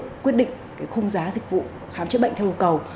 chính vì vậy mà các cơ sở tự quyết định khung giá dịch vụ khám chữa bệnh theo yêu cầu